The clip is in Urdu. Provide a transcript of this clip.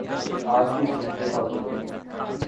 آج کی صورتحال دیکھیں۔